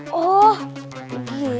dan kemauan jin jahil